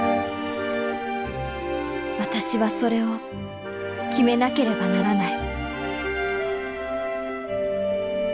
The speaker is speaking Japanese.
私はそれを決めなければならない。